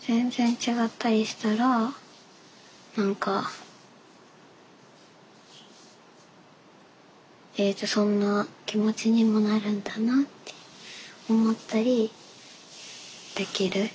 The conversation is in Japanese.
全然違ったりしたら何かそんな気持ちにもなるんだなって思ったりできる。